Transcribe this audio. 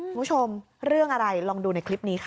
คุณผู้ชมเรื่องอะไรลองดูในคลิปนี้ค่ะ